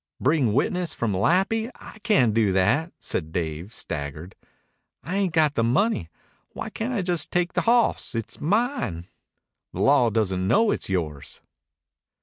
"Bring witnesses from Malapi! Why, I can't do that," said Dave, staggered. "I ain't got the money. Why can't I just take the hawss? It's mine." "The law doesn't know it's yours."